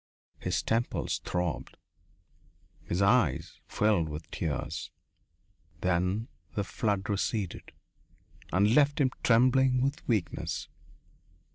His temples throbbed. His eyes filled with tears. Then the flood receded and left him trembling with weakness.